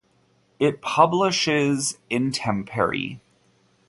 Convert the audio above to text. It publishes "Intemperie".